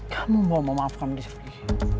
kamu mau memaafkan riefki